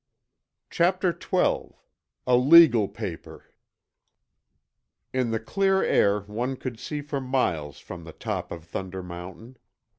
Chapter XII A LEGAL PAPER In the clear air one could see for miles from the top of Thunder Mountain.